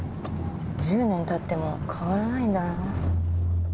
１０年たっても変わらないんだな。